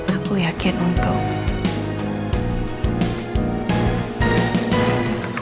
aku yakin untuk